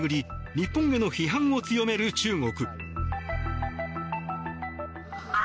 日本への批判を強める中国。